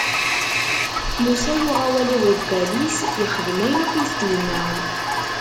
Musa yuɣ awal i uḍeggal-is, ixdem ayen akk i s-d-inna.